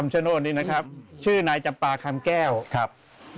หนึ่งคืนครับ